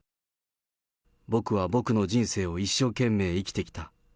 僕は僕の人生を一生懸命生きてきた。